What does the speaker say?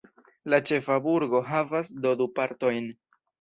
La ĉefa burgo havas do du partojn.